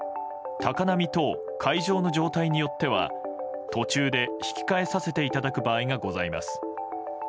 高波等海上の状態によっては途中で引き返させていただく場合がございます。